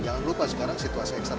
jangan lupa sekarang situasi eksterna